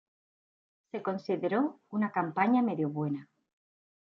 Se consideró una campaña "medio buena".